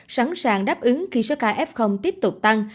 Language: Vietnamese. sẵn sàng đáp ứng khi số ca f tiếp tục tăng